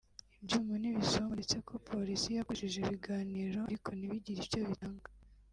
ibyuma n’ ibisongo ndetse ko polisi yakoresheje ibiganiro ariko ntibigire icyo bitanga